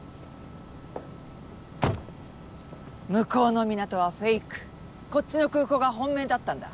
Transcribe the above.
向こうの港はフェイクこっちの空港が本命だったんだ。